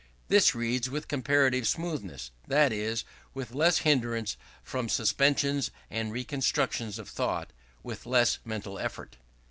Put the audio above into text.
This reads with comparative smoothness; that is, with less hindrance from suspensions and reconstructions of thought with less mental effort.